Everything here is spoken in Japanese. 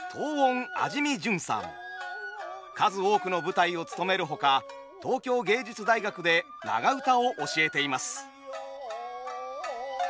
数多くの舞台をつとめるほか東京藝術大学で長唄を教えています。